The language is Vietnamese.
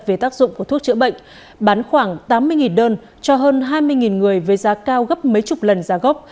về tác dụng của thuốc chữa bệnh bán khoảng tám mươi đơn cho hơn hai mươi người với giá cao gấp mấy chục lần giá gốc